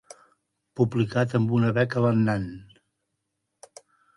Publicat amb una beca Lannan.